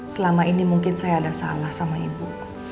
selama ini mungkin saya ada salah sama ibu